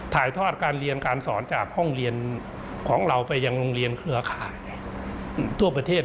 ถ่ายทอดการเรียนการสอนจากห้องเรียนของเราไปยังโรงเรียนเครือข่ายทั่วประเทศ